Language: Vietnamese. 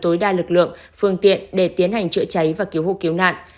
tối đa lực lượng phương tiện để tiến hành chữa cháy và cứu hộ cứu nạn